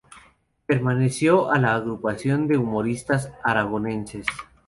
Perteneció a la Agrupación de Humoristas Aragoneses.